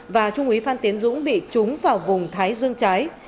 và trung úy phan tiến dũng bị trúng vào vùng thái dương trái